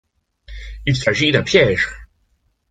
Il s’agit d’un piège.